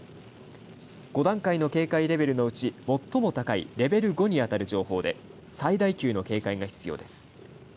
５段階の警戒レベルのうち最も高いレベル５にあたる情報で最大級の警戒が必要です。